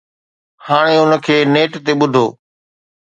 هاڻي ان کي نيٽ تي ٻڌو.